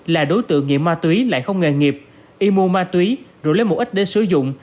là đối tượng nghiệm ma túy lại không nghề nghiệp y mua ma túy rủ lấy một ít để sử dụng